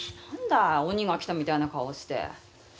何だい鬼が来たみたいな顔して。